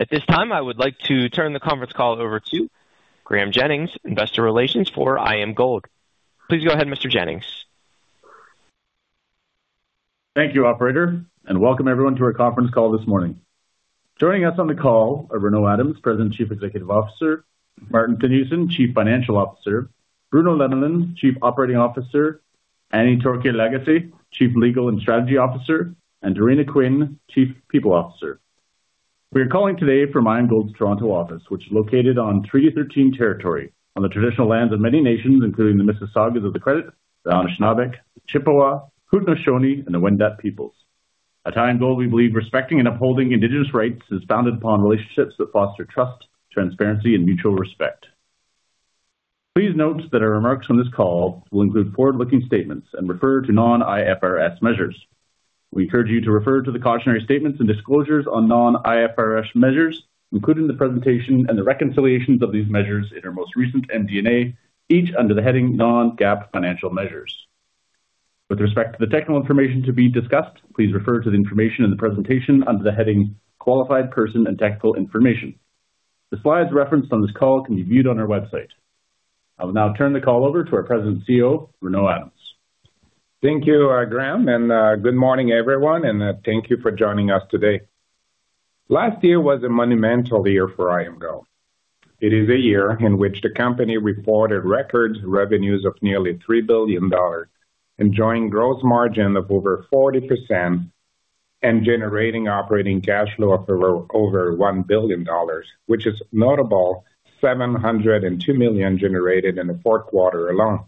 At this time, I would like to turn the conference call over to Graeme Jennings, Investor Relations for IAMGOLD. Please go ahead, Mr. Jennings. Thank you, operator, and welcome everyone to our conference call this morning. Joining us on the call are Renaud Adams, President, Chief Executive Officer, Maarten Theunissen, Chief Financial Officer, Bruno Lemelin, Chief Operating Officer, Annie Torkia Lagacé, Chief Legal and Strategy Officer, and Dorena Quinn, Chief People Officer. We are calling today from IAMGOLD's Toronto office, which is located on Treaty 13 territory on the traditional lands of many nations, including the Mississauga of the Credit, the Anishinaabe, Chippewa, Haudenosaunee, and the Wendat peoples. At IAMGOLD, we believe respecting and upholding Indigenous rights is founded upon relationships that foster trust, transparency, and mutual respect. Please note that our remarks on this call will include forward-looking statements and refer to non-IFRS measures. We encourage you to refer to the cautionary statements and disclosures on non-IFRS measures, including the presentation and the reconciliations of these measures in our most recent MD&A, each under the heading Non-GAAP Financial Measures. With respect to the technical information to be discussed, please refer to the information in the presentation under the heading Qualified Person and Technical Information. The slides referenced on this call can be viewed on our website. I will now turn the call over to our President and CEO, Renaud Adams. Thank you, Graeme, and good morning, everyone, and thank you for joining us today. Last year was a monumental year for IAMGOLD. It is a year in which the company reported record revenues of nearly $3 billion, enjoying gross margin of over 40% and generating operating cash flow of over $1 billion, which is notable, $702 million generated in the fourth quarter alone.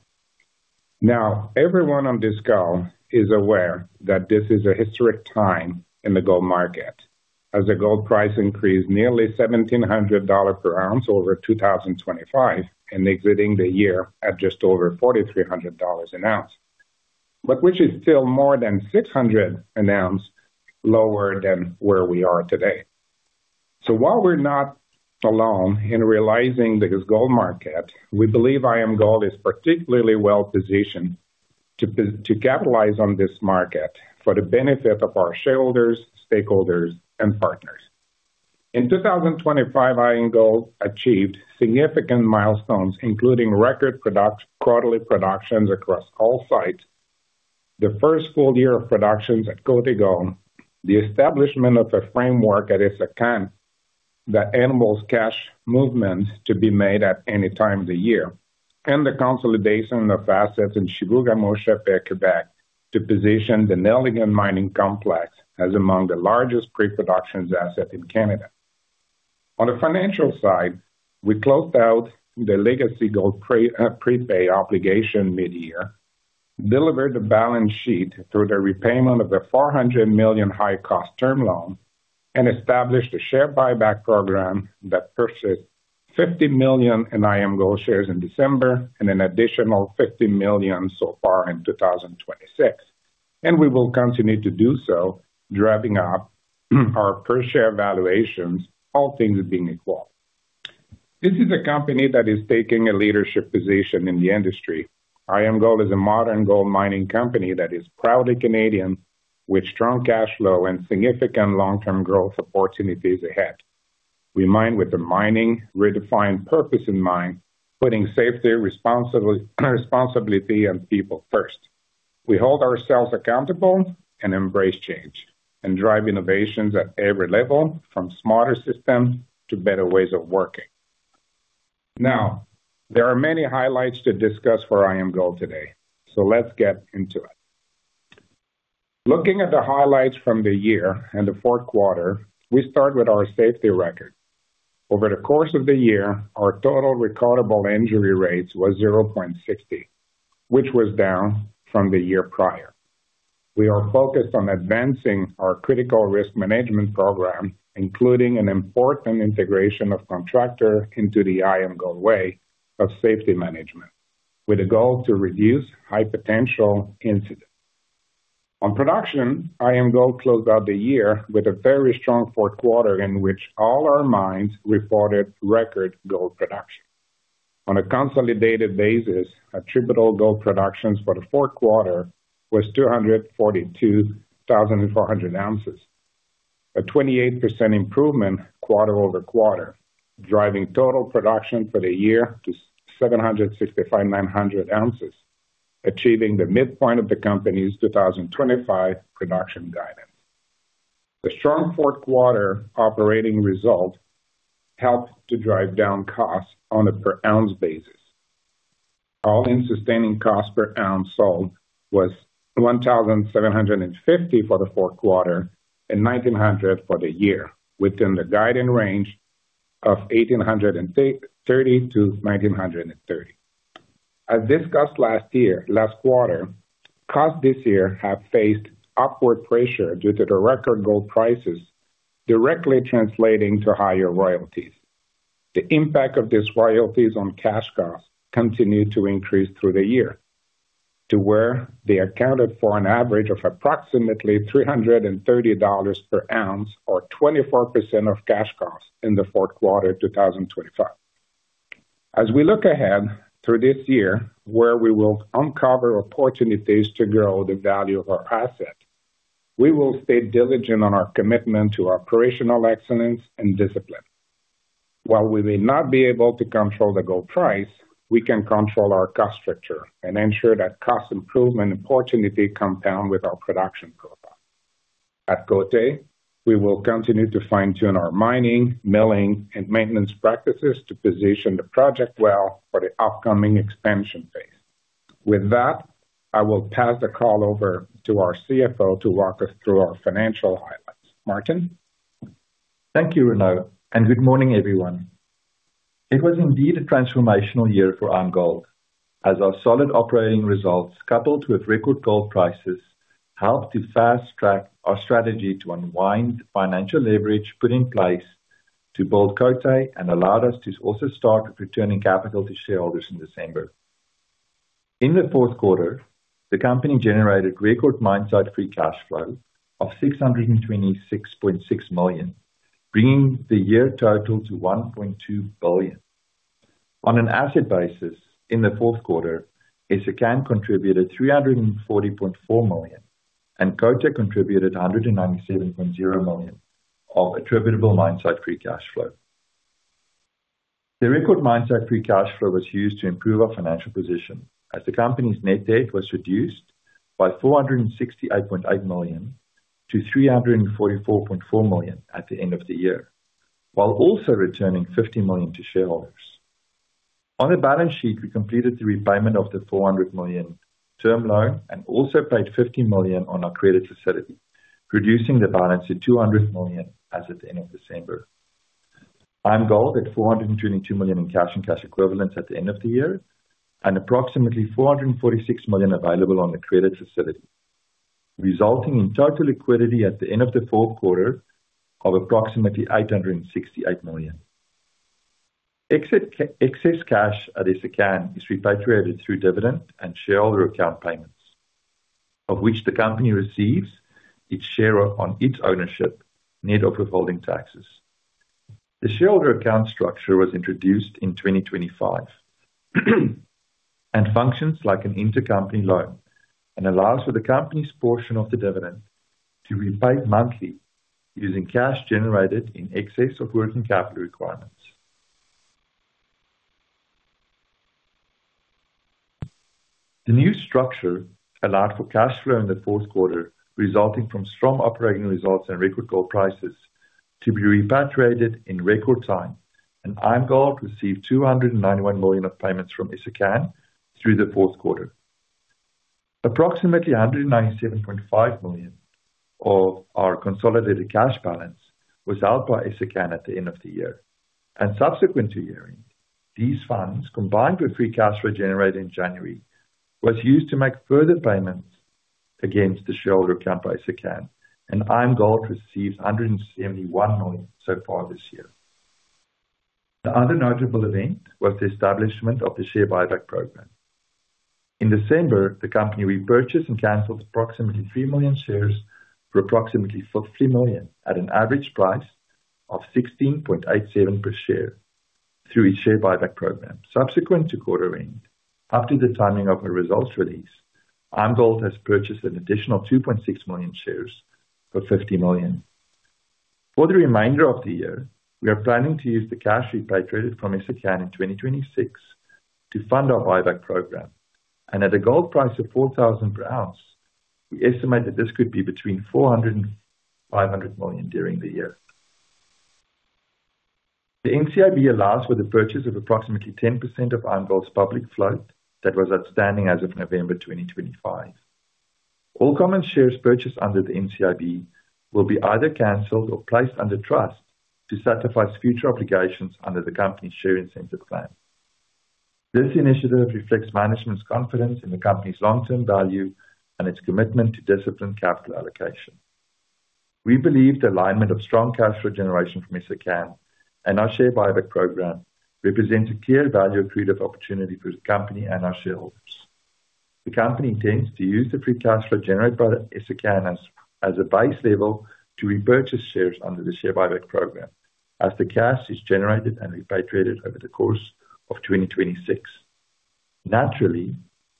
Now, everyone on this call is aware that this is a historic time in the gold market, as the gold price increased nearly $1,700 per ounce over 2025, and exiting the year at just over $4,300 an ounce, but which is still more than $600 an ounce lower than where we are today. While we're not alone in realizing this gold market, we believe IAMGOLD is particularly well positioned to capitalize on this market for the benefit of our shareholders, stakeholders, and partners. In 2025, IAMGOLD achieved significant milestones, including record product, quarterly productions across all sites, the first full year of productions at Côté, the establishment of a framework at Essakane that enables cash movements to be made at any time of the year, and the consolidation of assets in Chibougamau, Quebec, to position the Nelligan Mining Complex as among the largest pre-production assets in Canada. On the financial side, we closed out the legacy gold pre, prepay obligation mid-year, delivered the balance sheet through the repayment of the $400 million high-cost term loan, and established a share buyback program that purchased $50 million in IAMGOLD shares in December and an additional $50 million so far in 2026. We will continue to do so, driving up our per-share valuations, all things being equal. This is a company that is taking a leadership position in the industry. IAMGOLD is a modern gold mining company that is proudly Canadian, with strong cash flow and significant long-term growth opportunities ahead. We mine with a mining, redefined purpose in mind, putting safety, responsibility, and people first. We hold ourselves accountable and embrace change and drive innovations at every level, from smarter systems to better ways of working. Now, there are many highlights to discuss for IAMGOLD today, so let's get into it. Looking at the highlights from the year and the fourth quarter, we start with our safety record. Over the course of the year, our total recordable injury rates was 0.60, which was down from the year prior. We are focused on advancing our critical risk management program, including an important integration of contractor into the IAMGOLD way of safety management, with a goal to reduce high potential incidents. On production, IAMGOLD closed out the year with a very strong fourth quarter, in which all our mines reported record gold production. On a consolidated basis, attributable gold production for the fourth quarter was 242,400 ounces, a 28% improvement quarter-over-quarter, driving total production for the year to 765,900 ounces, achieving the midpoint of the company's 2025 production guidance. The strong fourth quarter operating result helped to drive down costs on a per ounce basis. All-in sustaining cost per ounce sold was $1,750 for the fourth quarter and $1,900 for the year, within the guiding range of $1,830-$1,930. As discussed last quarter, costs this year have faced upward pressure due to the record gold prices directly translating to higher royalties. The impact of these royalties on cash costs continued to increase through the year to where they accounted for an average of approximately $330 per ounce or 24% of cash costs in the fourth quarter of 2025. As we look ahead through this year, where we will uncover opportunities to grow the value of our asset, we will stay diligent on our commitment to operational excellence and discipline. While we may not be able to control the gold price, we can control our cost structure and ensure that cost improvement opportunity comes down with our production profile. At Côté, we will continue to fine-tune our mining, milling, and maintenance practices to position the project well for the upcoming expansion phase. With that, I will pass the call over to our CFO to walk us through our financial highlights. Maarten? Thank you, Renaud, and good morning, everyone. It was indeed a transformational year for IAMGOLD, as our solid operating results, coupled with record gold prices, helped to fast-track our strategy to unwind financial leverage put in place to build Côté and allowed us to also start returning capital to shareholders in December. In the fourth quarter, the company generated record mine site free cash flow of $626.6 million, bringing the year total to $1.2 billion. On an asset basis, in the fourth quarter, Essakane contributed $340.4 million, and Côté contributed $197.0 million of attributable mine site free cash flow. The record mine site free cash flow was used to improve our financial position, as the company's net debt was reduced by $468.8 million to $344.4 million at the end of the year, while also returning $50 million to shareholders. On the balance sheet, we completed the repayment of the $400 million term loan and also paid $50 million on our credit facility, reducing the balance to $200 million as at the end of December. IAMGOLD had $422 million in cash and cash equivalents at the end of the year and approximately $446 million available on the credit facility, resulting in total liquidity at the end of the fourth quarter of approximately $868 million. Excess cash at Essakane is repatriated through dividend and shareholder account payments, of which the company receives its share on its ownership, net of withholding taxes. The shareholder account structure was introduced in 2025, and functions like an intercompany loan and allows for the company's portion of the dividend to repay monthly using cash generated in excess of working capital requirements. The new structure allowed for cash flow in the fourth quarter, resulting from strong operating results and record gold prices to be repatriated in record time, and IAMGOLD received $291 million of payments from Essakane through the fourth quarter. Approximately $197.5 million of our consolidated cash balance was held by Essakane at the end of the year. Subsequent to year-end, these funds, combined with free cash flow generated in January, was used to make further payments against the shareholder account by Essakane, and IAMGOLD received $171 million so far this year. The other notable event was the establishment of the share buyback program. In December, the company repurchased and canceled approximately 3 million shares for approximately $50 million at an average price of $16.87 per share through its share buyback program. Subsequent to quarter end, after the timing of our results release, IAMGOLD has purchased an additional 2.6 million shares for $50 million. For the remainder of the year, we are planning to use the cash repatriated from Essakane in 2026 to fund our buyback program. At a gold price of $4,000 per ounce, we estimate that this could be between $400 million and $500 million during the year. The NCIB allows for the purchase of approximately 10% of IAMGOLD's public float that was outstanding as of November 2025. All common shares purchased under the NCIB will be either canceled or placed under trust to satisfy future obligations under the company's share incentive plan. This initiative reflects management's confidence in the company's long-term value and its commitment to disciplined capital allocation. We believe the alignment of strong cash flow generation from Essakane and our share buyback program represents a clear value-accretive opportunity for the company and our shareholders. The company intends to use the free cash flow generated by Essakane as a base level to repurchase shares under the share buyback program, as the cash is generated and repatriated over the course of 2026. Naturally,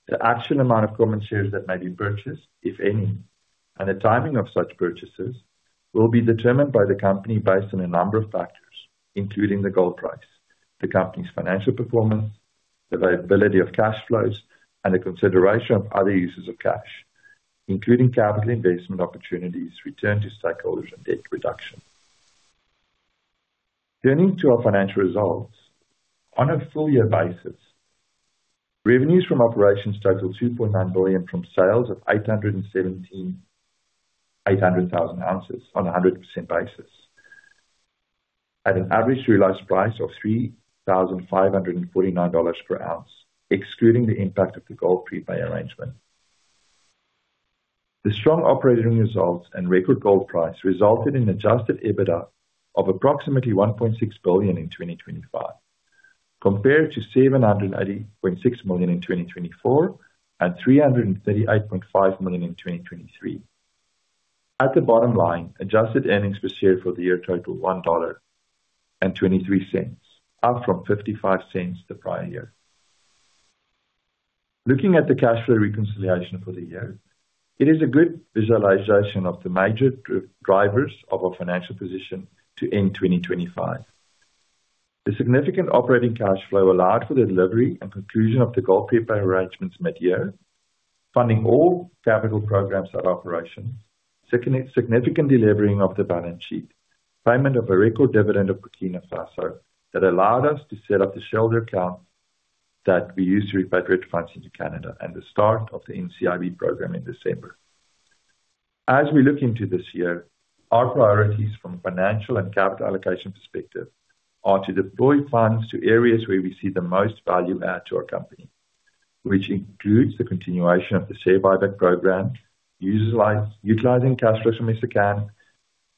the actual amount of common shares that may be purchased, if any, and the timing of such purchases, will be determined by the company based on a number of factors, including the gold price, the company's financial performance, the availability of cash flows, and the consideration of other uses of cash, including capital investment opportunities, return to stakeholders, and debt reduction. Turning to our financial results. On a full year basis, revenues from operations totaled $2.9 billion from sales of 817,800 ounces on a 100% basis, at an average realized price of $3,549 per ounce, excluding the impact of the gold prepay arrangement. The strong operating results and record gold price resulted in adjusted EBITDA of approximately $1.6 billion in 2025, compared to $780.6 million in 2024, and $338.5 million in 2023. At the bottom line, adjusted earnings per share for the year totaled $1.23, up from $0.55 the prior year. Looking at the cash flow reconciliation for the year, it is a good visualization of the major drivers of our financial position to end 2025. The significant operating cash flow allowed for the delivery and conclusion of the gold paper arrangements mid-year, funding all capital programs of operation, significant delivering of the balance sheet, payment of a record dividend of Burkina Faso, that allowed us to set up the shareholder account that we used to repatriate funds into Canada and the start of the NCIB program in December. As we look into this year, our priorities from a financial and capital allocation perspective are to deploy funds to areas where we see the most value add to our company, which includes the continuation of the share buyback program, utilize, utilizing cash flows from Westwood,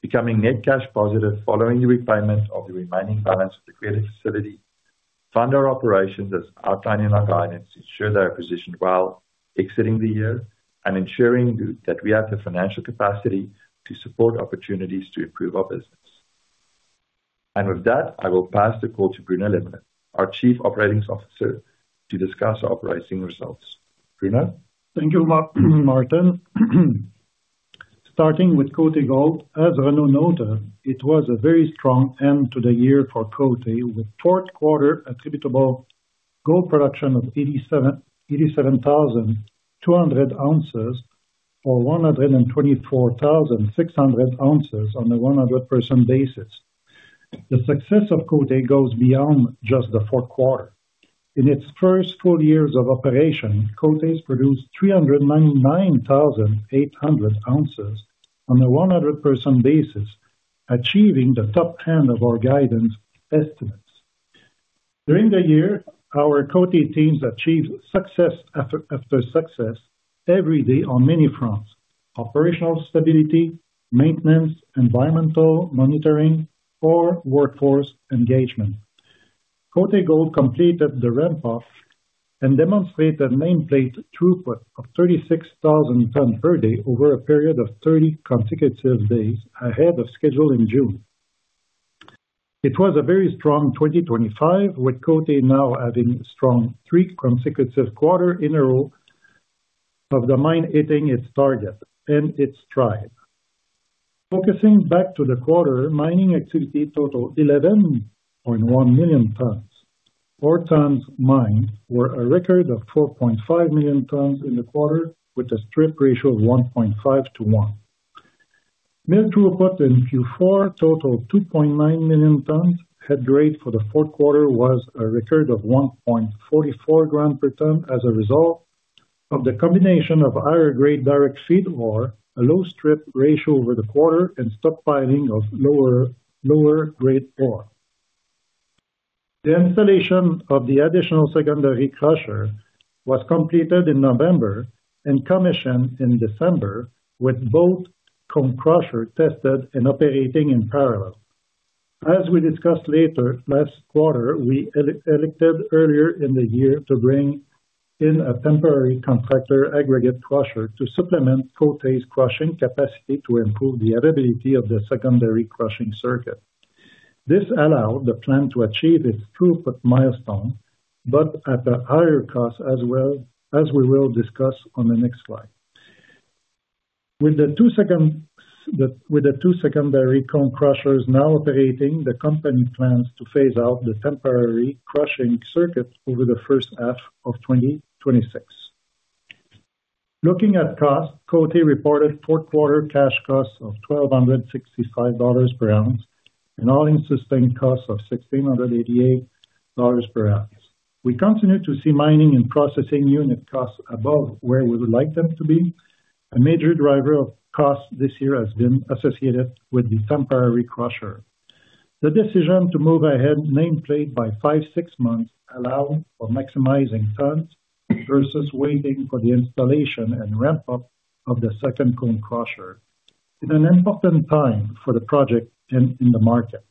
becoming net cash positive following the repayment of the remaining balance of the credit facility, fund our operations as outlined in our guidance, ensure that we're positioned well exiting the year, and ensuring that we have the financial capacity to support opportunities to improve our business. And with that, I will pass the call to Bruno Lemelin, our Chief Operating Officer, to discuss our operating results. Bruno? Thank you, Maarten. Starting with Côté Gold, as Renaud noted, it was a very strong end to the year for Côté, with fourth quarter attributable gold production of 87,200 ounces, or 124,600 ounces on a 100% basis. The success of Côté goes beyond just the fourth quarter. In its first full years of operation, Côté's produced 399,800 ounces on a 100% basis, achieving the top ten of our guidance estimates. During the year, our Côté teams achieved success after success every day on many fronts: operational stability, maintenance, environmental monitoring, or workforce engagement. Côté Gold completed the ramp up and demonstrated a nameplate throughput of 36,000 tons per day over a period of 30 consecutive days ahead of schedule in June. It was a very strong 2025, with Côté now having strong three consecutive quarters in a row of the mine hitting its target and its tribe. Focusing back to the quarter, mining activity totaled 11.1 million tons. Ore tons mined were a record of 4.5 million tons in the quarter, with a strip ratio of 1.5 to 1. Mine throughput in Q4 totaled 2.9 million tons. Head grade for the fourth quarter was a record of 1.44 gram per ton as a result of the combination of higher grade direct feed ore, a low strip ratio over the quarter, and stockpiling of lower, lower grade ore. The installation of the additional secondary crusher was completed in November and commissioned in December, with both cone crushers tested and operating in parallel. As we discussed later last quarter, we elected earlier in the year to bring in a temporary contractor aggregate crusher to supplement Côté's crushing capacity to improve the availability of the secondary crushing circuit. This allowed the plant to achieve its throughput milestone, but at a higher cost, as well, as we will discuss on the next slide. With the two secondary cone crushers now operating, the company plans to phase out the temporary crushing circuit over the first half of 2026. Looking at cost, Côté reported fourth quarter cash costs of $1,265 per ounce and all-in sustaining costs of $1,688 per ounce. We continue to see mining and processing unit costs above where we would like them to be. A major driver of costs this year has been associated with the temporary crusher. The decision to move ahead nameplate by five-six months, allowing for maximizing tons versus waiting for the installation and ramp-up of the second cone crusher in an important time for the project and in the market.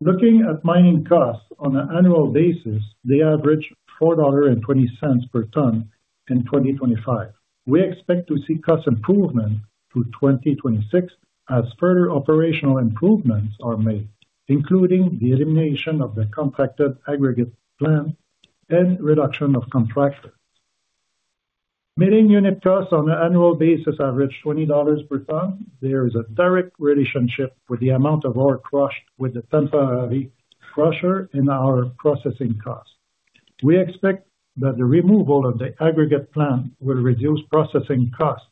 Looking at mining costs on an annual basis, they averaged $4.20 per ton in 2025. We expect to see cost improvement through 2026 as further operational improvements are made, including the elimination of the contracted aggregate plan and reduction of contractors. Milling unit costs on an annual basis average $20 per ton. There is a direct relationship with the amount of ore crushed with the temporary crusher in our processing cost. We expect that the removal of the aggregate plant will reduce processing costs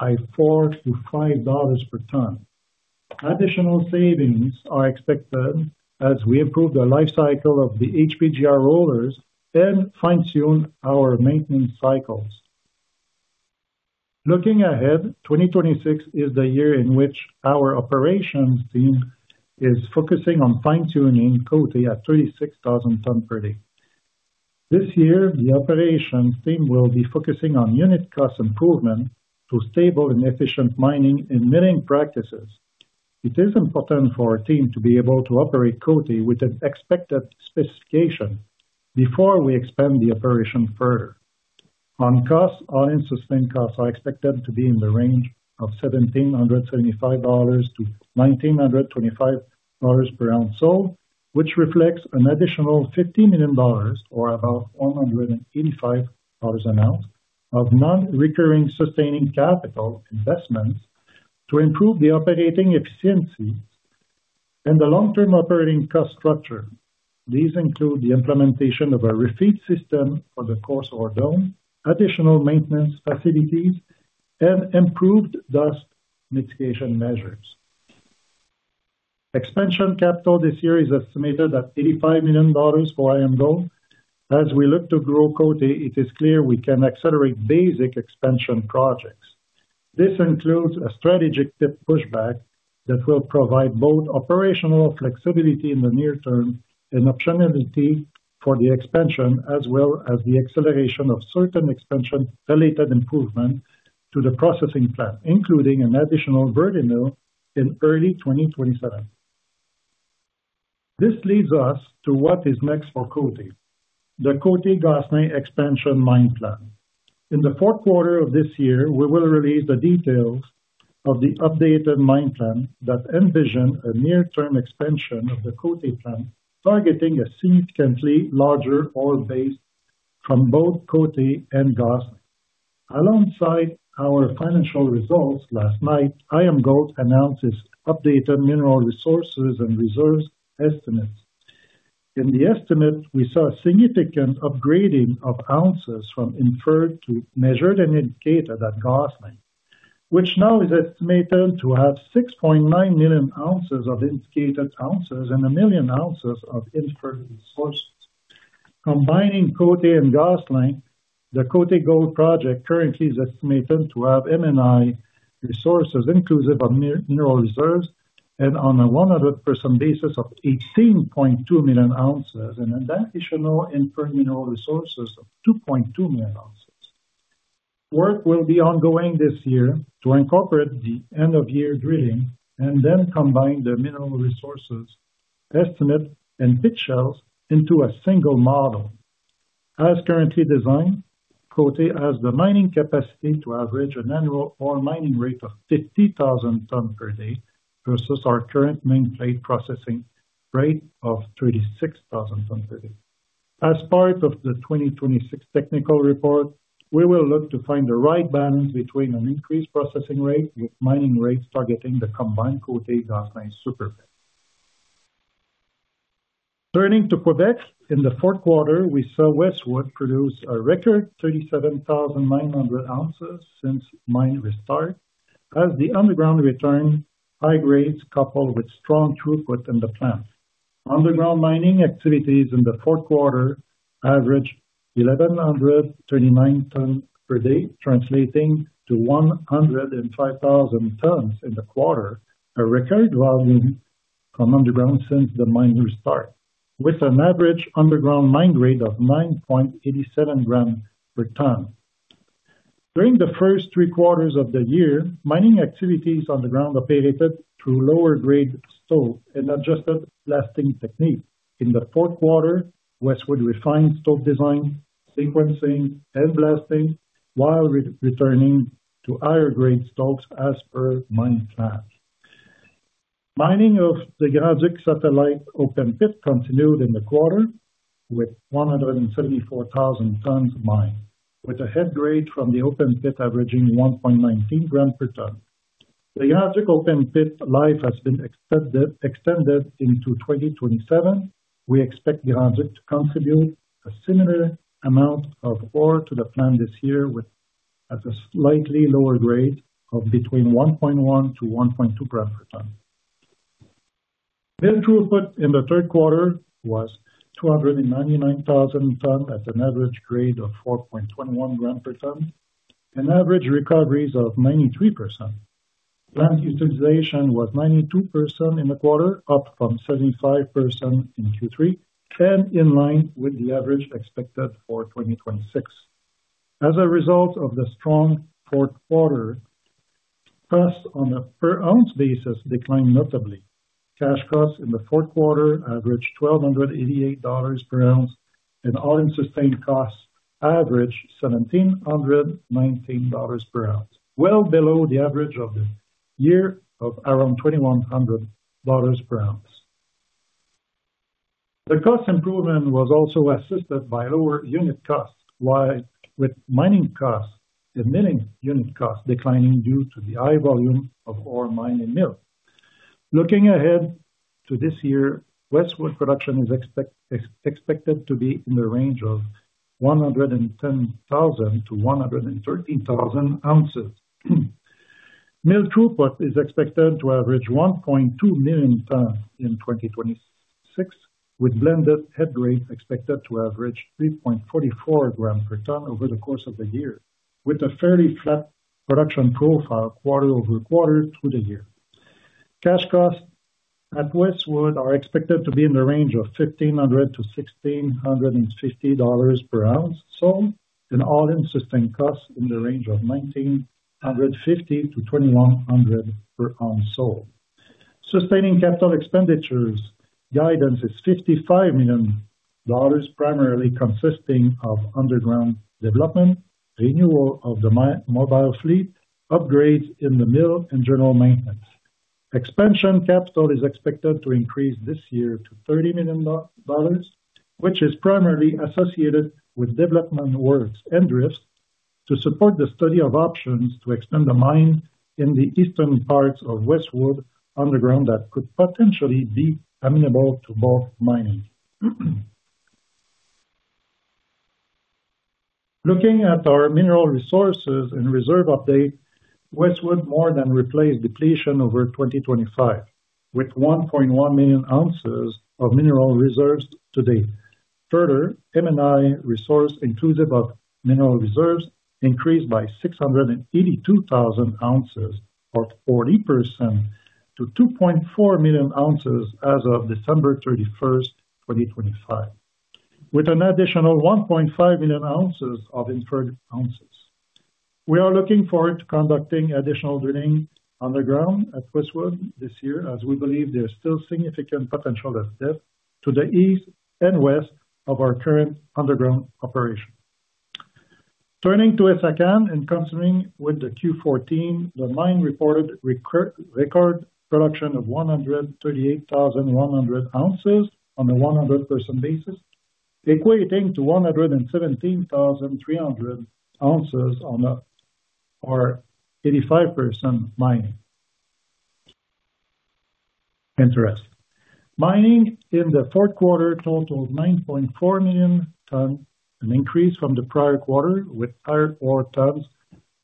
by $4-$5 per ton. Additional savings are expected as we improve the life cycle of the HPGR rollers and fine-tune our maintenance cycles. Looking ahead, 2026 is the year in which our operations team is focusing on fine-tuning Côté at 36,000 tons per day. This year, the operations team will be focusing on unit cost improvement to stable and efficient mining and milling practices. It is important for our team to be able to operate Côté with an expected specification before we expand the operation further. On costs, all-in sustained costs are expected to be in the range of $1,775-$1,925 per ounce sold, which reflects an additional $50 million or about $185 an ounce of non-recurring sustaining capital investments to improve the operating efficiency and the long-term operating cost structure. These include the implementation of a refeed system for the coarse ore dome, additional maintenance facilities, and improved dust mitigation measures. Expansion capital this year is estimated at $85 million for IAMGOLD. As we look to grow Côté, it is clear we can accelerate basic expansion projects. This includes a strategic tip pushback that will provide both operational flexibility in the near term and optionality for the expansion, as well as the acceleration of certain expansion-related improvement to the processing plant, including an additional ball mill in early 2027. This leads us to what is next for Côté, the Côté-Gosselin expansion mine plan. In the fourth quarter of this year, we will release the details of the updated mine plan that envision a near-term expansion of the Côté plant, targeting a significantly larger ore base from both Côté and Gosselin. Alongside our financial results last night, IAMGOLD announced its updated mineral resources and reserves estimates. In the estimate, we saw a significant upgrading of ounces from inferred to measured and indicated at Gosselin, which now is estimated to have 6.9 million ounces of indicated ounces and 1 million ounces of inferred resources. Combining Côté and Gosselin, the Côté Gold project currently is estimated to have M&I resources inclusive of mineral reserves and on a 100% basis of 18.2 million ounces and an additional inferred mineral resources of 2.2 million ounces. Work will be ongoing this year to incorporate the end-of-year drilling and then combine the mineral resources estimate and pit shells into a single model. As currently designed, Côté has the mining capacity to average an annual ore mining rate of 50,000 tons per day, versus our current main plant processing rate of 36,000 tons per day. As part of the 2026 technical report, we will look to find the right balance between an increased processing rate with mining rates targeting the combined Côté-Gosselin super pit. Turning to Quebec, in the fourth quarter, we saw Westwood produce a record 37,900 ounces since mine restart, as the underground return high grades, coupled with strong throughput in the plant. Underground mining activities in the fourth quarter averaged 1,139 tons per day, translating to 105,000 tons in the quarter, a record volume from underground since the mine restart, with an average underground mine grade of 9.87 grams per ton. During the first three quarters of the year, mining activities underground operated through lower grade stope and adjusted blasting technique. In the fourth quarter, Westwood refined stope design, sequencing, and blasting, while re-returning to higher grade stopes as per mine plan. Mining of the Grand Duc satellite open pit continued in the quarter, with 174,000 tons mined, with a head grade from the open pit averaging 1.19 grams per ton. The Grand Duc open pit life has been extended into 2027. We expect Grand Duc to contribute a similar amount of ore to the plant this year, with at a slightly lower grade of between 1.1-1.2 grams per ton. Mill throughput in the third quarter was 299,000 tons at an average grade of 4.21 grams per ton, and average recoveries of 93%. Plant utilization was 92% in the quarter, up from 75% in Q3 and in line with the average expected for 2026. As a result of the strong fourth quarter, costs on a per ounce basis declined notably. Cash costs in the fourth quarter averaged $1,288 per ounce, and all-in sustaining costs averaged $1,719 per ounce, well below the average of the year of around $2,100 per ounce. The cost improvement was also assisted by lower unit costs, while with mining costs, the milling unit costs declining due to the high volume of ore mine and mill. Looking ahead to this year, Westwood production is expected to be in the range of 110,000-113,000 ounces. Mill throughput is expected to average 1.2 million tons in 2026, with blended head grade expected to average 3.44 grams per ton over the course of the year, with a fairly flat production profile quarter-over-quarter through the year. Cash costs at Westwood are expected to be in the range of $1,500-$1,650 per ounce sold, and all-in sustaining cost in the range of $1,950-$2,100 per ounce sold. Sustaining capital expenditures guidance is $55 million, primarily consisting of underground development, renewal of the mobile fleet, upgrades in the mill, and general maintenance. Expansion capital is expected to increase this year to $30 million, which is primarily associated with development works and risks, to support the study of options to extend the mine in the eastern parts of Westwood underground, that could potentially be amenable to both mining. Looking at our mineral resources and reserve update, Westwood more than replaced depletion over 2025, with 1.1 million ounces of mineral reserves to date. Further, M&I resource inclusive of mineral reserves increased by 682,000 ounces or 40% to 2.4 million ounces as of December 31, 2025, with an additional 1.5 million ounces of inferred ounces. We are looking forward to conducting additional drilling underground at Westwood this year, as we believe there is still significant potential as depth to the east and west of our current underground operation. Turning to Essakane and continuing with the Q4, the mine reported record production of 138,100 ounces on a 100% basis, equating to 117,300 ounces on a, or 85% mining interest. Mining in the fourth quarter totaled 9.4 million tons, an increase from the prior quarter, with higher ore tons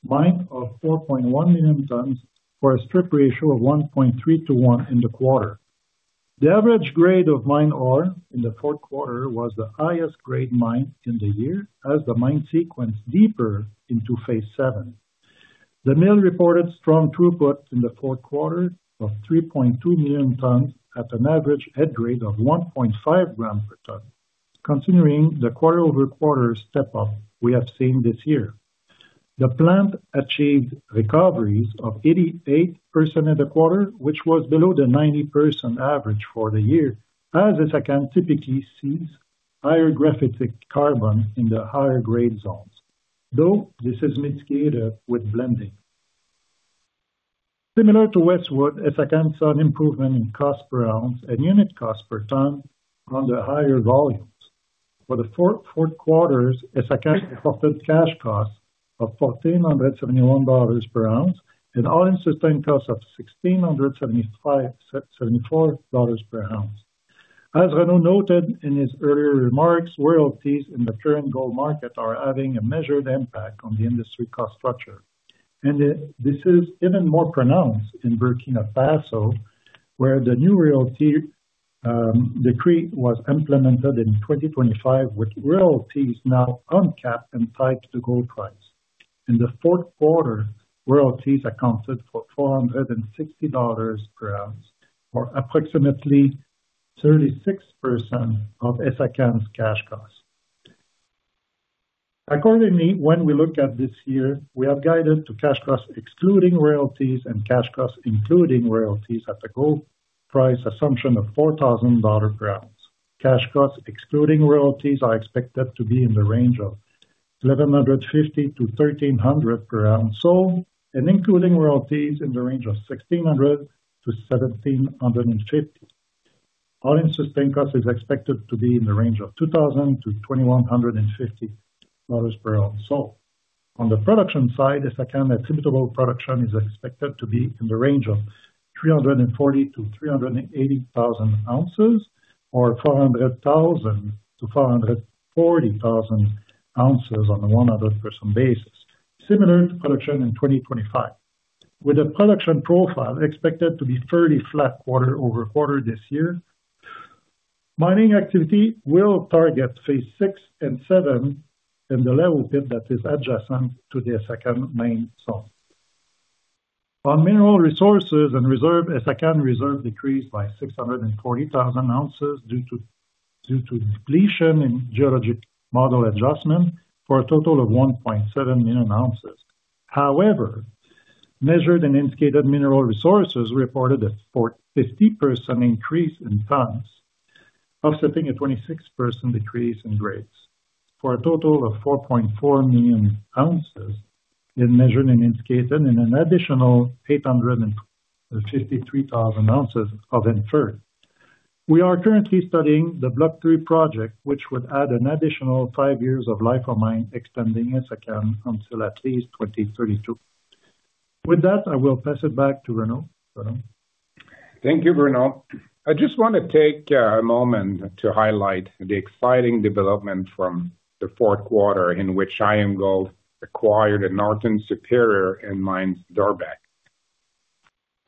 mined of 4.1 million tons, for a strip ratio of 1.3 to 1 in the quarter. The average grade of mine ore in the fourth quarter was the highest grade mined in the year as the mine sequenced deeper into phase seven. The mill reported strong throughput in the fourth quarter of 3.2 million tons at an average head grade of 1.5 grams per ton, continuing the quarter-over-quarter step up we have seen this year. The plant achieved recoveries of 88% in the quarter, which was below the 90% average for the year, as Essakane typically sees higher graphitic carbon in the higher grade zones, though this is mitigated with blending. Similar to Westwood, Essakane saw an improvement in cost per ounce and unit cost per ton on the higher volumes. For the four quarters, Essakane offered cash costs of $1,471 per ounce and all-in sustaining costs of $1,674 per ounce. As Renaud noted in his earlier remarks, royalties in the current gold market are having a measured impact on the industry cost structure. And, this is even more pronounced in Burkina Faso, where the new royalty decree was implemented in 2025, with royalties now uncapped and tied to the gold price. In the fourth quarter, royalties accounted for $460 per ounce, or approximately 36% of Essakane's cash costs. Accordingly, when we look at this year, we have guided to cash costs excluding royalties and cash costs, including royalties, at a gold price assumption of $4,000 per ounce. Cash costs, excluding royalties, are expected to be in the range of $1,150-$1,300 per ounce sold, and including royalties in the range of $1,600-$1,750. All-in sustaining cost is expected to be in the range of $2,000-$2,150 per ounce sold. On the production side, Essakane attributable production is expected to be in the range of 340,000-380,000 ounces or 400,000-440,000 ounces on a 100% basis, similar to production in 2025. With a production profile expected to be fairly flat quarter-over-quarter this year, mining activity will target phase six and seven in the level pit that is adjacent to the Essakane main zone. On mineral resources and reserve, Essakane reserve decreased by 640,000 ounces due to depletion and geologic model adjustment for a total of 1.7 million ounces. However, measured and indicated mineral resources reported a 40%-50% increase in tons, offsetting a 26% decrease in grades, for a total of 4.4 million ounces in measured and indicated, and an additional 853,000 ounces of inferred. We are currently studying the Block 3 project, which would add an additional five years of life of mine, extending Essakane until at least 2032. With that, I will pass it back to Renaud. Renaud? Thank you, Bruno. I just want to take a moment to highlight the exciting development from the fourth quarter, in which IAMGOLD acquired Northern Superior and Mines D'Or Orbec,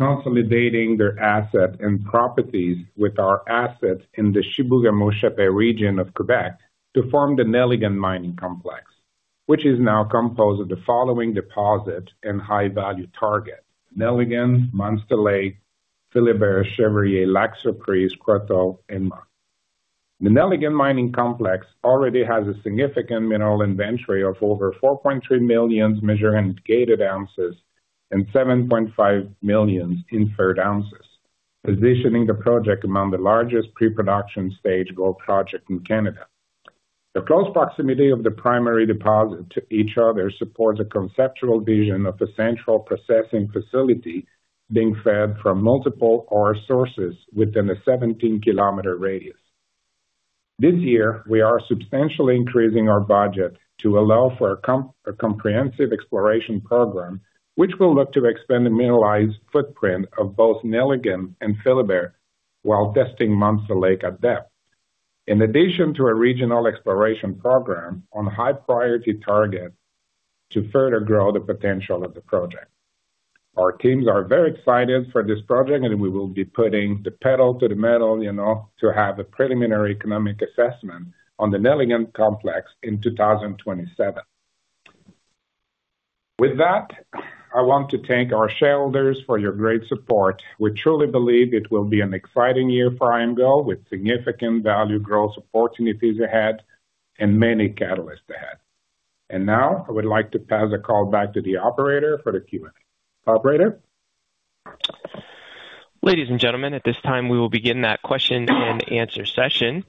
consolidating their assets and properties with our assets in the Chibougamau-Chapais region of Quebec to form the Nelligan mining complex, which is now composed of the following deposits and high value target, Nelligan, Monster Lake, Philibert, Chevrier, Lac Supérieur, Croteau, and Mart. The Nelligan mining complex already has a significant mineral inventory of over 4.3 million measured and indicated ounces, and 7.5 million inferred ounces, positioning the project among the largest pre-production stage gold project in Canada. The close proximity of the primary deposit to each other supports a conceptual vision of a central processing facility being fed from multiple ore sources within a 17 km radius. This year, we are substantially increasing our budget to allow for a comprehensive exploration program, which will look to expand the mineralized footprint of both Nelligan and Philibert, while testing Monster Lake at depth. In addition to a regional exploration program on high priority targets to further grow the potential of the project. Our teams are very excited for this project, and we will be putting the pedal to the metal, you know, to have a preliminary economic assessment on the Nelligan complex in 2027. With that, I want to thank our shareholders for your great support. We truly believe it will be an exciting year for IAMGOLD, with significant value growth opportunities ahead and many catalysts ahead. And now, I would like to pass the call back to the operator for the Q&A. Operator? Ladies and gentlemen, at this time, we will begin that question and answer session.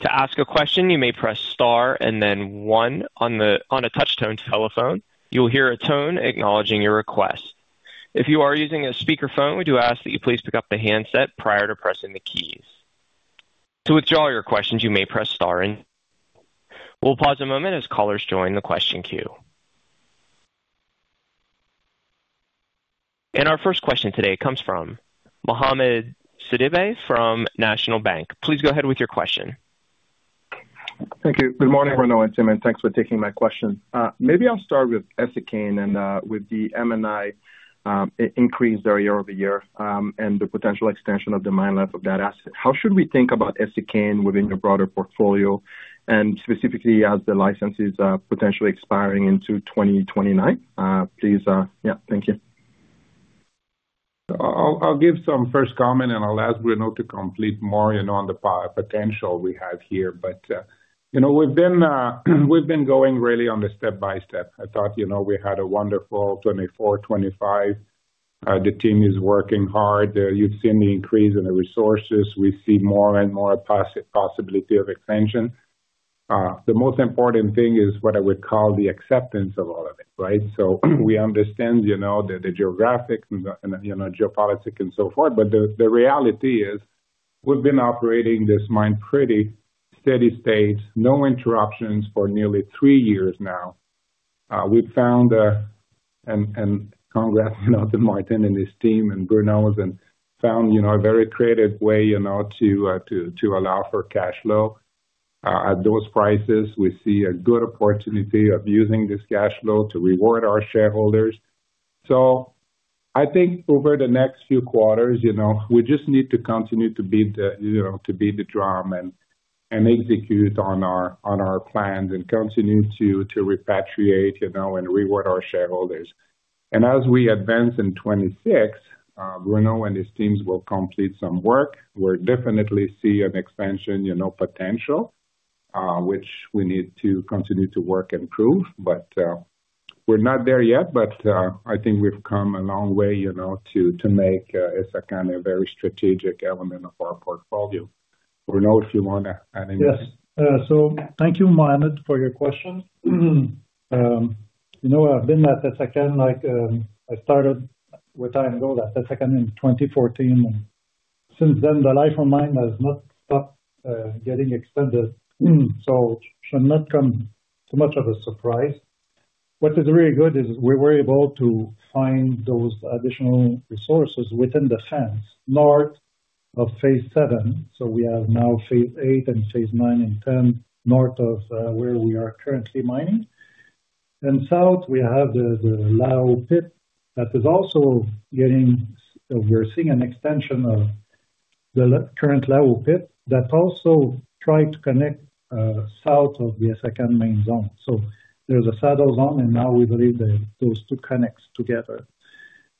To ask a question, you may press star and then one on a touchtone telephone. You will hear a tone acknowledging your request. If you are using a speakerphone, we do ask that you please pick up the handset prior to pressing the keys. To withdraw your questions, you may press star and... We'll pause a moment as callers join the question queue. Our first question today comes from Mohamed Sidibé from National Bank. Please go ahead with your question. Thank you. Good morning, Renaud and team, and thanks for taking my question. Maybe I'll start with Essakane and with the M&I increase there year-over-year, and the potential extension of the mine life of that asset. How should we think about Essakane within your broader portfolio, and specifically as the license is potentially expiring into 2029? Please, yeah. Thank you. I'll give some first comment, and I'll ask Bruno to complete more in on the potential we have here. But, you know, we've been going really on the step by step. I thought, you know, we had a wonderful 2024, 2025. The team is working hard. You've seen the increase in the resources. We see more and more possibility of expansion. The most important thing is what I would call the acceptance of all of it, right? So we understand, you know, the geographics and the geopolitics and so forth, but the reality is, we've been operating this mine pretty steady state, no interruptions for nearly three years now. We've found, and congrats, you know, to Maarten and his team, and Bruno, and found, you know, a very creative way, you know, to allow for cash flow. At those prices, we see a good opportunity of using this cash flow to reward our shareholders. I think over the next few quarters, you know, we just need to continue to beat the, you know, to beat the drum and execute on our plans and continue to repatriate, you know, and reward our shareholders. As we advance in 2026, Renaud and his teams will complete some work. We'll definitely see an expansion, you know, potential, which we need to continue to work and prove. But, we're not there yet, but, I think we've come a long way, you know, to make Essakane a very strategic element of our portfolio. Bruno, if you want to add anything. Yes. Thank you, Mohammed, for your question. You know, I've been at Essakane, like, I started with IAMGOLD at Essakane in 2014, and since then, the life of mine has not stopped getting extended, so it should not come to much of a surprise. What is really good is we were able to find those additional resources within the fence, north of phase seven. We have now phase eight and phase nine and 10, north of where we are currently mining. South, we have the Lao pit, that is also getting... We're seeing an extension of the current Lao pit that also tried to connect, south of the Essakane main zone. There's a saddle zone, and now we believe that those two connect together.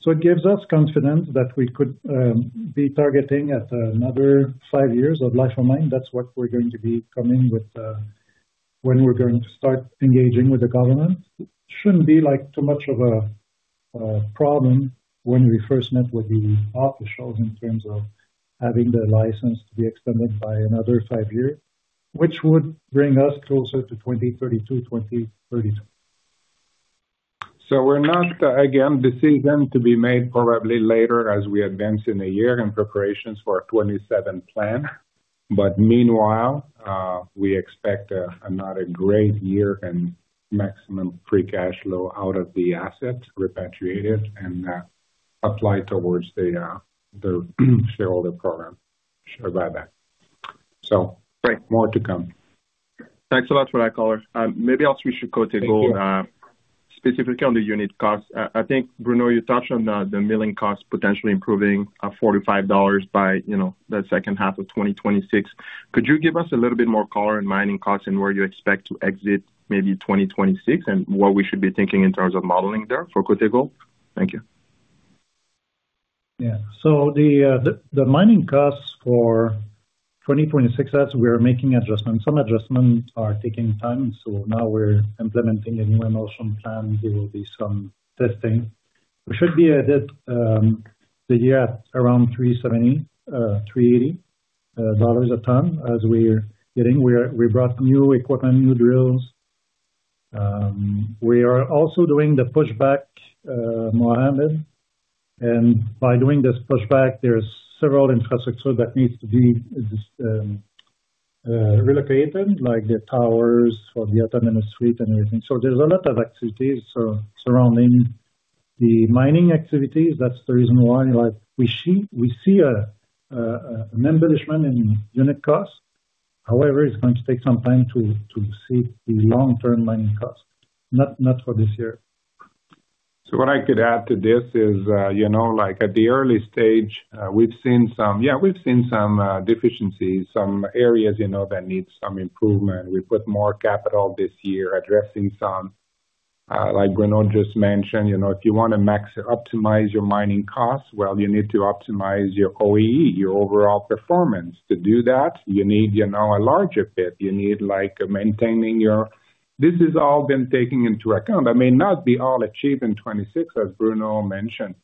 So it gives us confidence that we could be targeting at another five years of life of mine. That's what we're going to be coming with when we're going to start engaging with the government. Shouldn't be, like, too much of a problem when we first met with the officials in terms of having the license be extended by another five years, which would bring us closer to 2032, 2032. So we're not, again, decision to be made probably later as we advance in the year in preparations for a 2027 plan. But meanwhile, we expect, another great year and maximum free cash flow out of the asset repatriated and, applied towards the, the, shareholder program. Sure, about that. So- Great. More to come. Thanks a lot for that, callers. Maybe I'll switch to Côté Gold. Specifically on the unit cost, I think, Bruno, you touched on the milling cost potentially improving $4-$5 by, you know, the second half of 2026. Could you give us a little bit more color in mining costs and where you expect to exit maybe 2026, and what we should be thinking in terms of modeling there for Côté Gold? Thank you. Yeah. The mining costs for 2026, as we are making adjustments, some adjustments are taking time, now we're implementing a new motion plan. There will be some testing. We should be at it the year around $370-$380 a ton as we're getting. We are—we brought new equipment, new drills. We are also doing the pushback, Mohammed, and by doing this pushback, there's several infrastructure that needs to be relocated, like the towers for the autonomous fleet and everything. There's a lot of activities surrounding the mining activity. That's the reason why we see an embellishment in unit costs. However, it's going to take some time to see the long-term mining costs, not for this year. So what I could add to this is, you know, like, at the early stage, we've seen some... Yeah, we've seen some deficiencies, some areas, you know, that need some improvement. We put more capital this year addressing some, like Bruno just mentioned, you know, if you want to optimize your mining costs, well, you need to optimize your OEE, your overall performance. To do that, you need, you know, a larger pit. You need, like, maintaining your... This has all been taken into account. That may not be all achieved in 2026, as Bruno mentioned,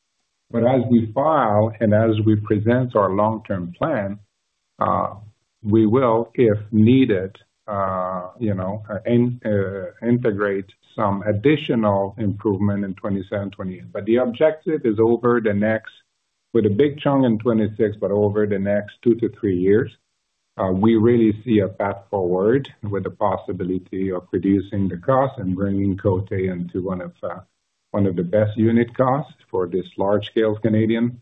but as we file and as we present our long-term plan, we will, if needed, you know, integrate some additional improvement in 2027, 2028. But the objective is over the next, with a big chunk in 2026, but over the next two-three years, we really see a path forward with the possibility of reducing the cost and bringing Côté into one of, one of the best unit costs for this large-scale Canadian.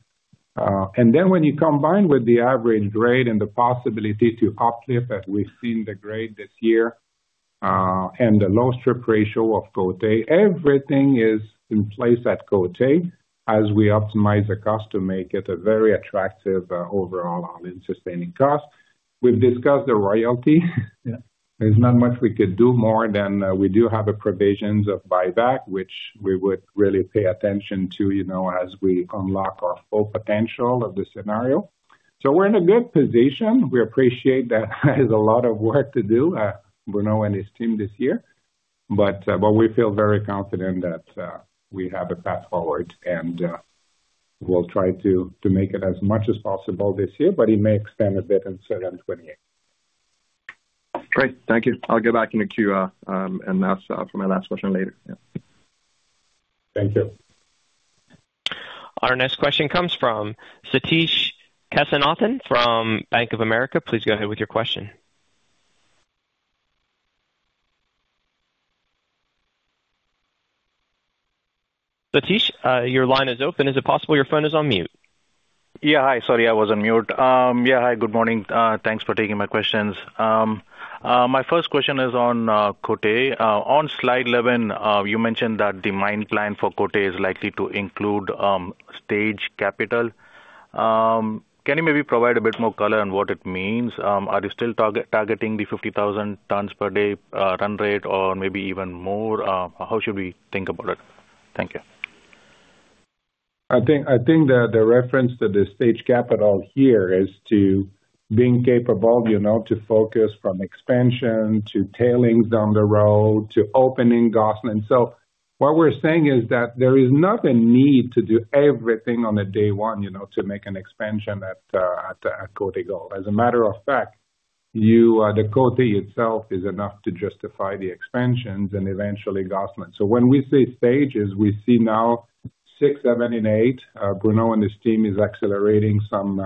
And then when you combine with the average grade and the possibility to uplift, as we've seen the grade this year, and the low strip ratio of Côté, everything is in place at Côté as we optimize the cost to make it a very attractive, overall all-in sustaining cost. We've discussed the royalty. Yeah. There's not much we could do more than we do have a provisions of buyback, which we would really pay attention to, you know, as we unlock our full potential of the scenario. So we're in a good position. We appreciate that there's a lot of work to do, Bruno and his team this year, but, but we feel very confident that we have a path forward, and we'll try to make it as much as possible this year, but it may extend a bit in 2028. Great. Thank you. I'll go back in the queue, and that's for my last question later. Yeah. Thank you. Our next question comes from Satish Kasinathan from Bank of America. Please go ahead with your question. Satish, your line is open. Is it possible your phone is on mute? Yeah. Hi, sorry, I was on mute. Yeah, hi, good morning. Thanks for taking my questions. My first question is on Côté. On slide 11, you mentioned that the mine plan for Côté is likely to include stage capital. Can you maybe provide a bit more color on what it means? Are you still targeting the 50,000 tons per day run rate or maybe even more? How should we think about it? Thank you. I think that the reference to the stage capital here is to being capable, you know, to focus from expansion to tailings down the road, to opening Gosselin. So what we're saying is that there is not a need to do everything on a day one, you know, to make an expansion at Côte Gold. As a matter of fact, you, the Côte itself is enough to justify the expansions and eventually Gosselin. So when we say stages, we see now six, seven, and eight. Bruno and his team is accelerating some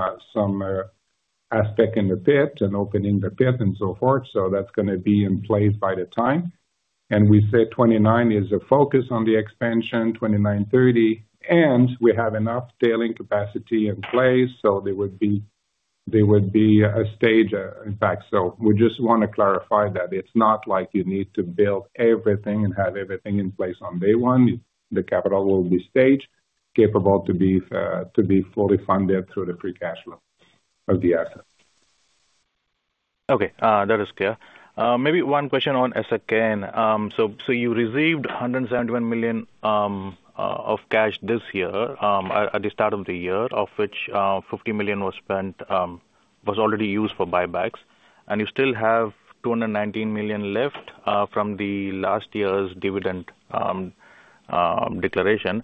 aspect in the pit and opening the pit and so forth, so that's gonna be in place by the time. We said 29 is a focus on the expansion, 29, 30, and we have enough tailing capacity in place, so there would be, there would be a stage, in fact. We just want to clarify that it's not like you need to build everything and have everything in place on day one. The capital will be staged, capable to be fully funded through the free cash flow of the asset. Okay, that is clear. Maybe one question on Essakane. So, so you received $171 million of cash this year, at the start of the year, of which, $50 million was spent, was already used for buybacks, and you still have $219 million left, from the last year's dividend declaration.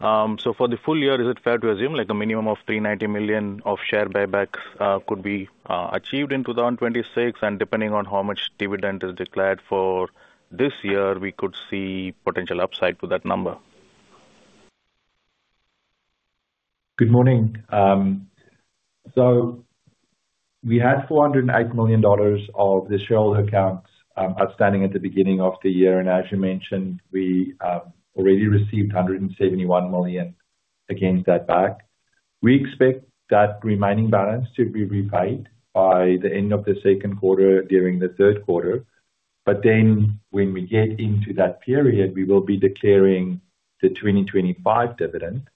So for the full year, is it fair to assume, like a minimum of $390 million of share buybacks, could be achieved in 2026, and depending on how much dividend is declared for this year, we could see potential upside to that number? Good morning. So we had $408 million of the shareholder accounts outstanding at the beginning of the year, and as you mentioned, we already received $171 million against that back. We expect that remaining balance to be repaid by the end of the second quarter, during the third quarter. But then when we get into that period, we will be declaring the 2025 dividend,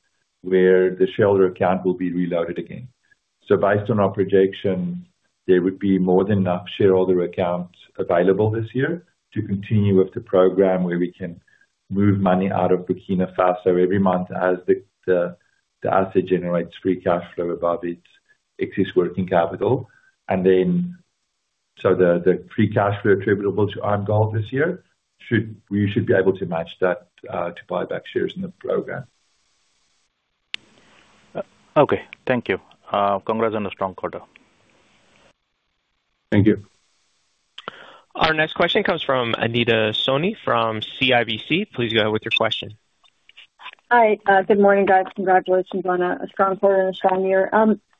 where the shareholder account will be reloaded again. So based on our projection, there would be more than enough shareholder accounts available this year to continue with the program, where we can move money out of Burkina Faso every month as the asset generates free cash flow above its excess working capital. And then, so the free cash flow attributable to IAMGOLD this year should, we should be able to match that to buy back shares in the program. Okay. Thank you. Congrats on the strong quarter. Thank you. Our next question comes from Anita Soni from CIBC. Please go ahead with your question. Hi. Good morning, guys. Congratulations on a strong quarter and a strong year.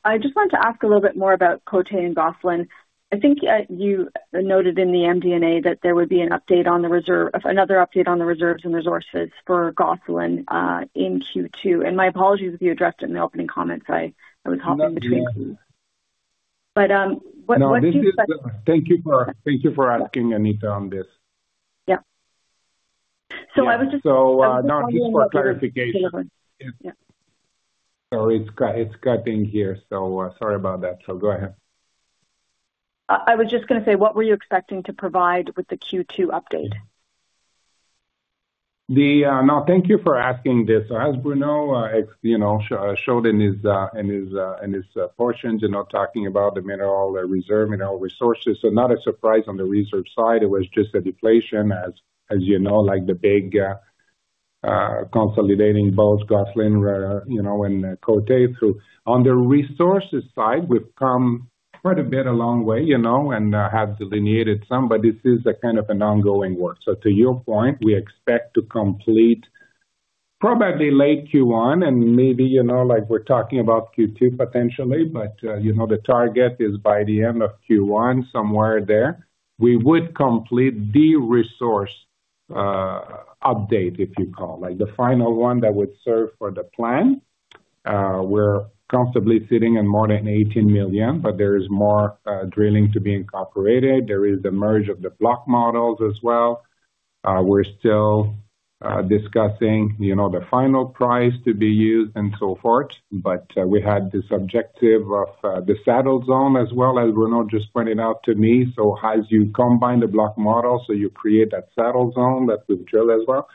I just wanted to ask a little bit more about Côté and Gosselin. I think, you noted in the MD&A that there would be an update on the reserve... Another update on the reserves and resources for Gosselin, in Q2. And my apologies if you addressed it in the opening comments. I was hopping between- No. But, what do you- No, thank you for asking, Anita, on this. Yeah. So I was just- No, just for clarification. Yeah. Sorry, it's cutting here, so, sorry about that. So go ahead. I was just gonna say, what were you expecting to provide with the Q2 update? No, thank you for asking this. So as Bruno, you know, showed in his portions, you know, talking about the mineral reserve, mineral resources. So not a surprise on the reserve side. It was just a deflation, as you know, like the big consolidating both Gosselin, you know, and Côté through. On the resources side, we've come quite a bit a long way, you know, and have delineated some, but this is a kind of an ongoing work. So to your point, we expect to complete probably late Q1, and maybe, you know, like, we're talking about Q2 potentially, but you know, the target is by the end of Q1, somewhere there. We would complete the resource update, if you call, like, the final one that would serve for the plan. We're comfortably sitting in more than 18 million, but there is more, drilling to be incorporated. There is the merge of the block models as well. We're still discussing, you know, the final price to be used and so forth, but, we had this objective of, the saddle zone as well, as Renaud just pointed out to me. So as you combine the block model, so you create that saddle zone that we've drilled as well.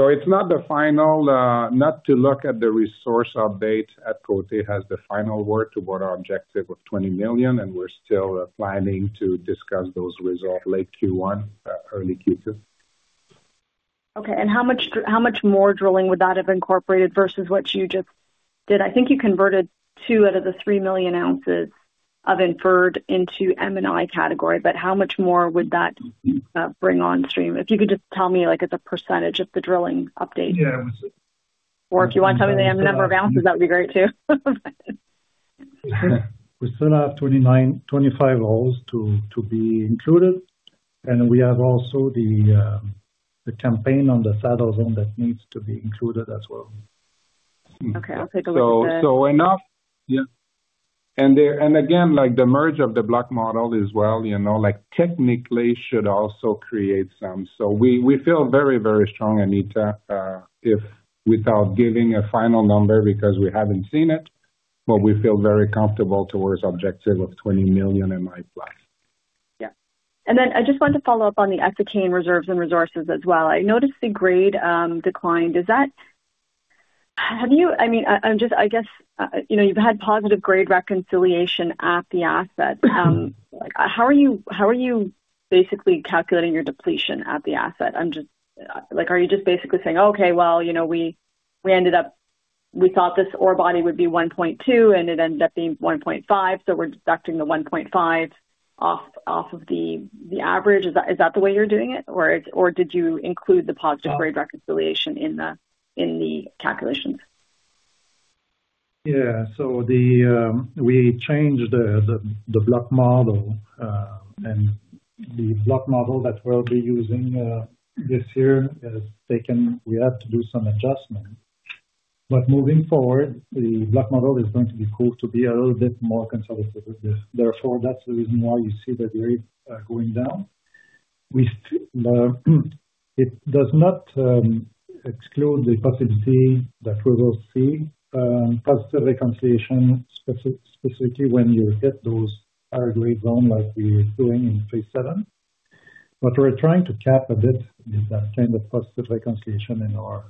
So it's not the final, not to look at the resource update at Côté as the final word toward our objective of 20 million, and we're still planning to discuss those results late Q1, early Q2. Okay. How much more drilling would that have incorporated versus what you just did? I think you converted two out of the three million ounces of inferred into M&I category, but how much more would that bring on stream? If you could just tell me, like, as a percentage of the drilling update. Yeah. Or if you want to tell me the number of ounces, that'd be great too. We still have 29, 25 holes to be included, and we have also the campaign on the saddle zone that needs to be included as well. Okay, I'll take a look at the- Enough... Yeah. And again, like, the merge of the block model as well, you know, like, technically should also create some. So we feel very, very strong, Anita, if without giving a final number because we haven't seen it, but we feel very comfortable towards objective of 20 million M&I plus. Yeah. I just wanted to follow up on the Essakane reserves and resources as well. I noticed the grade declined. Is that... Have you—I mean, I, I'm just, I guess, you know, you've had positive grade reconciliation at the asset. How are you basically calculating your depletion at the asset? I'm just, like, are you just basically saying: "Okay, well, you know, we ended up, we thought this ore body would be 1.2, and it ended up being 1.5, so we're deducting the 1.5 off of the average." Is that the way you're doing it, or did you include the positive grade reconciliation in the calculations? Yeah. So we changed the block model, and the block model that we'll be using this year has taken... We had to do some adjustment. But moving forward, the block model is going to be forced to be a little bit more conservative with this. Therefore, that's the reason why you see the grade going down. It does not exclude the possibility that we will see positive reconciliation, specifically when you hit those higher grade zone like we were doing in phase seven. What we're trying to cap a bit is that kind of positive reconciliation in our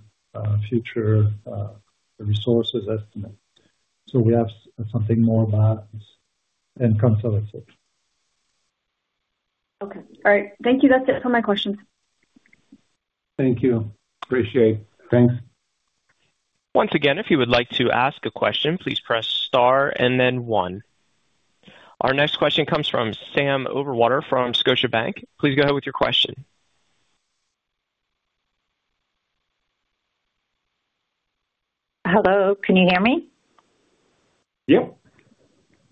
future resources estimate. So we have something more balanced and conservative. Okay. All right. Thank you. That's it for my questions. Thank you. Appreciate it. Thanks. Once again, if you would like to ask a question, please press star and then one. Our next question comes from Sam Overwater from Scotiabank. Please go ahead with your question. Hello, can you hear me? Yeah.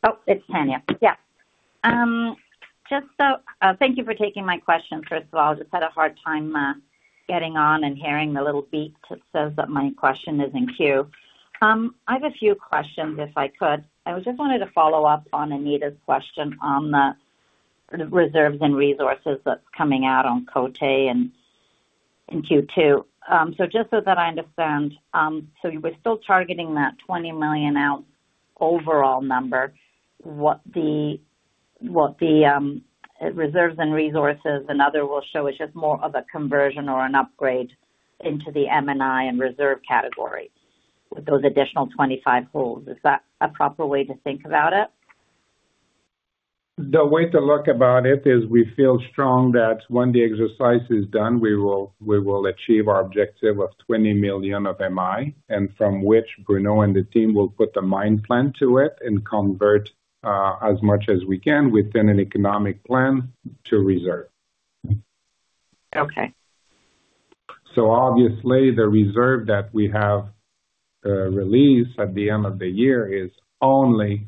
Oh, it's Tanya. Yeah. Just, thank you for taking my question, first of all. I just had a hard time, getting on and hearing the little beep that says that my question is in queue. I have a few questions, if I could. I just wanted to follow up on Anita's question on the reserves and resources that's coming out on Côté in, in Q2. So just so that I understand, so you were still targeting that 20 million ounce overall number. What the, what the, reserves and resources and other will show is just more of a conversion or an upgrade into the M&I and reserve category with those additional 25 holes. Is that a proper way to think about it? The way to look about it is we feel strong that when the exercise is done, we will, we will achieve our objective of 20 million of M&I, and from which Bruno and the team will put the mine plan to it and convert, as much as we can within an economic plan to reserve. Okay. So obviously, the reserve that we have released at the end of the year is only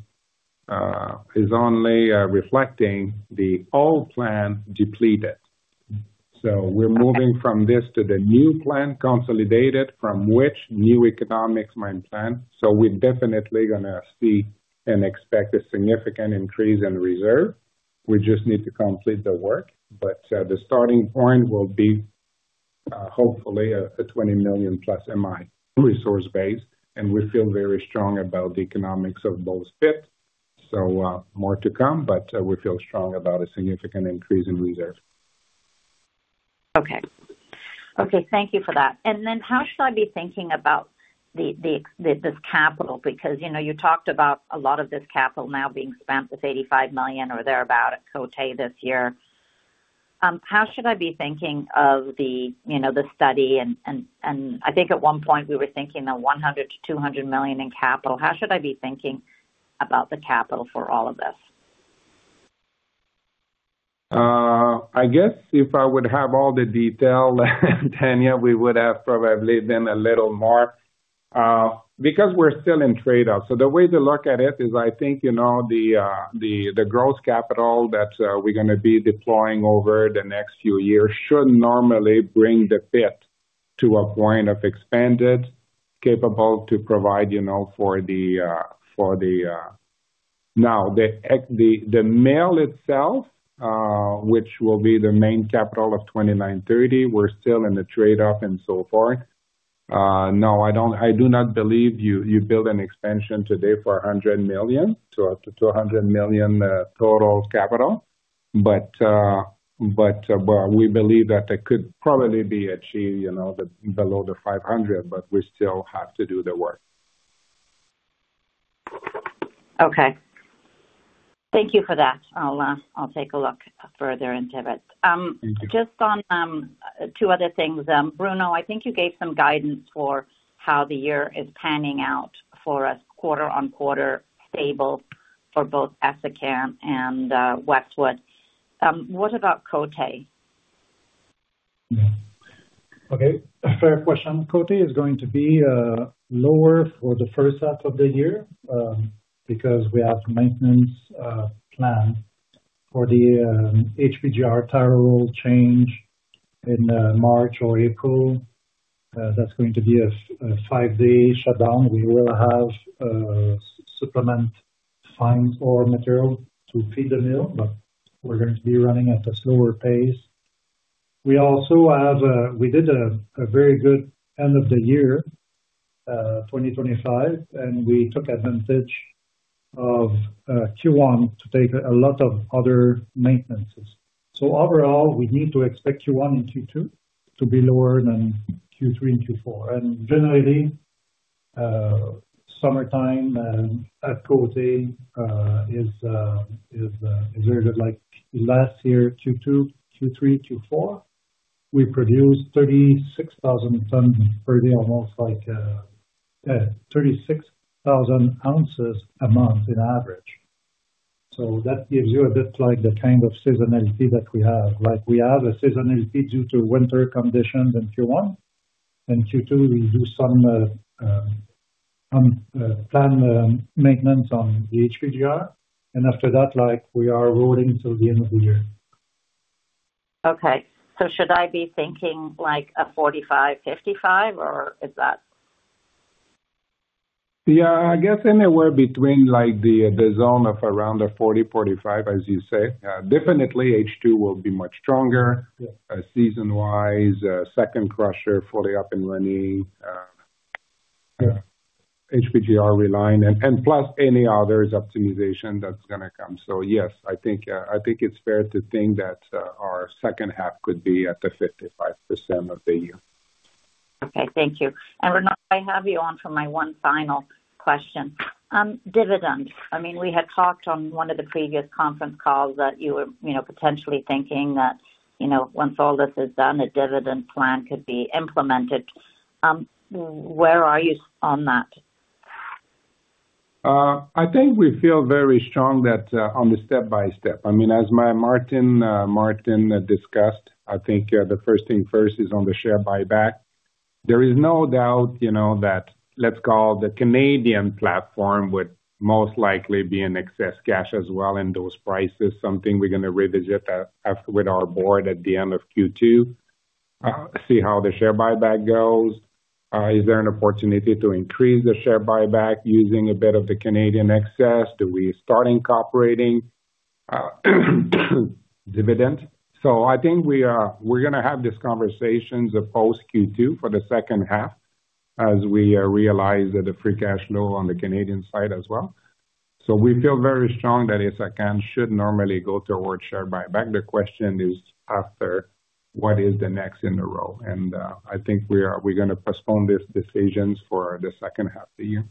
reflecting the old plan depleted. So we're moving from this to the new plan, consolidated, from which new economics mine plan. So we're definitely going to see and expect a significant increase in reserve. We just need to complete the work, but the starting point will be hopefully a 20 million+ M&I resource base, and we feel very strong about the economics of those pit. So more to come, but we feel strong about a significant increase in reserve. Okay. Okay, thank you for that. And then how should I be thinking about the this capital? Because, you know, you talked about a lot of this capital now being spent, this $85 million or thereabout at Côté this year. How should I be thinking of the, you know, the study and I think at one point we were thinking that $100 million-$200 million in capital. How should I be thinking about the capital for all of this? I guess if I would have all the detail, Tanya, we would have probably been a little more, because we're still in trade-off. So the way to look at it is, I think, you know, the growth capital that we're going to be deploying over the next few years should normally bring the pit to a point of expanded, capable to provide, you know, for the, for the. Now, the mill itself, which will be the main capital of 29-30, we're still in the trade-off and so forth. No, I do not believe you build an expansion today for $100 million, so up to $200 million, total capital. We believe that it could probably be achieved, you know, below $500, but we still have to do the work. Okay. Thank you for that. I'll, I'll take a look further into it. Just on two other things. Bruno, I think you gave some guidance for how the year is panning out for us quarter-over-quarter, stable for both Essakane and Westwood. What about Côté? Okay, fair question. Côté is going to be lower for the first half of the year, because we have maintenance plan for the HPGR tire roll change in March or April. That's going to be a five-day shutdown. We will have supplement fines or materials to feed the mill, but we're going to be running at a slower pace. We also have, we did a very good end of the year 2025, and we took advantage of Q1 to take a lot of other maintenances. So overall, we need to expect Q1 and Q2 to be lower than Q3 and Q4. And generally, summertime at Côté is very good. Like last year, Q2, Q3, Q4, we produced 36,000 tons per day, almost like 36,000 ounces a month in average. So that gives you a bit like the kind of seasonality that we have. Like, we have a seasonality due to winter conditions in Q1, and Q2, we do some plan maintenance on the HPGR, and after that, like, we are rolling till the end of the year. Okay, so should I be thinking, like, a 45-55, or is that? Yeah, I guess anywhere between, like, the zone of around the 40-45, as you say. Definitely H2 will be much stronger, season-wise, second crusher fully up and running, HPGR relined, and plus any other optimization that's going to come. So yes, I think it's fair to think that our second half could be at the 55% of the year. Okay, thank you. Renaud, I have you on for my one final question. Dividends. I mean, we had talked on one of the previous conference calls that you were, you know, potentially thinking that, you know, once all this is done, a dividend plan could be implemented. Where are you on that? I think we feel very strong that, on the step by step. I mean, as Maarten discussed, I think, the first thing first is on the share buyback. There is no doubt, you know, that let's call the Canadian platform, would most likely be in excess cash as well, and those prices, something we're going to revisit after with our board at the end of Q2. See how the share buyback goes. Is there an opportunity to increase the share buyback using a bit of the Canadian excess? Do we start incorporating, dividend? So I think we are, we're going to have these conversations post-Q2 for the second half, as we realize that the free cash flow on the Canadian side as well. So we feel very strong that it's, again, should normally go towards share buyback. The question is after, what is the next in a row? And, I think we're going to postpone these decisions for the second half of the year.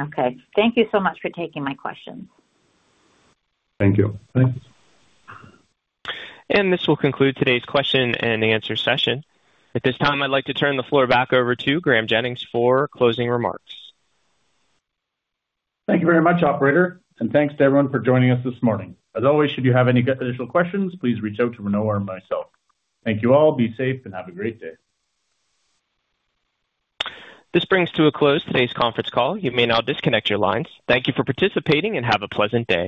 Okay. Thank you so much for taking my questions. Thank you. Thanks. This will conclude today's question and answer session. At this time, I'd like to turn the floor back over to Graeme Jennings for closing remarks. Thank you very much, operator, and thanks to everyone for joining us this morning. As always, should you have any additional questions, please reach out to Renaud or myself. Thank you all. Be safe and have a great day. This brings to a close today's conference call. You may now disconnect your lines. Thank you for participating and have a pleasant day.